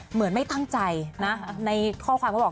เหมือนไม่ตั้งใจนะในข้อความเขาบอก